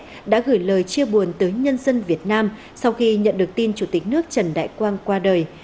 đã gửi lời chia buồn tới nhân dân việt nam sau khi nhận được tin chủ tịch nước trần đại quang qua đời